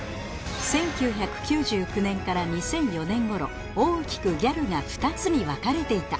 １９９９年から２００４年頃大きくギャルが２つに分かれていた